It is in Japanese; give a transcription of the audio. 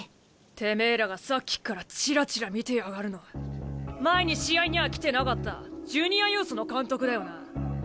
てめえらがさっきからチラチラ見てやがるの前に試合にゃ来てなかったジュニアユースの監督だよなあ。